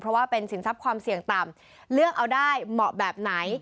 เพราะว่าเป็นสินทรัพย์ความเสี่ยงต่ำเลือกเอาได้เหมาะแบบไหน